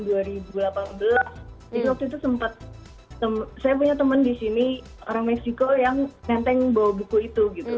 waktu itu sempat saya punya temen disini orang meksiko yang menteng bawa buku itu gitu